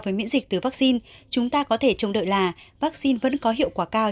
với miễn dịch từ vaccine chúng ta có thể trông đợi là vaccine vẫn có hiệu quả cao